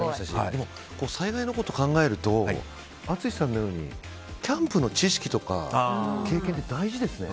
でも、災害のこと考えると淳さんのようにキャンプの知識とか経験は大事ですね。